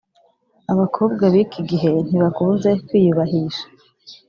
Abakobwa bikigihe ntibakunze kwiyubahisha